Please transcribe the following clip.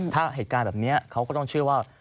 ถ้าเหตุการณ์แบบนี้เขาก็ต้องเชื่อว่า